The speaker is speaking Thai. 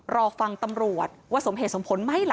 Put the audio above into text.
รอฟังตำรวจว่าสมเหตุสมผลไหมล่ะ